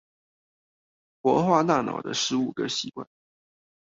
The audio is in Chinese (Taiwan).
活化大腦的十五個習慣